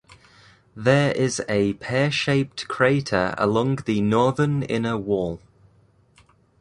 There is a pear-shaped crater along the northern inner wall.